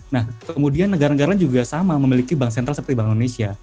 nah kemudian negara negara juga sama memiliki bank sentral seperti bank indonesia